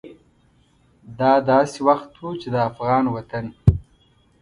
دا داسې وخت و چې د افغان وطن